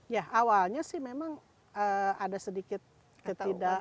ya awalnya sih memang ada sedikit ketidak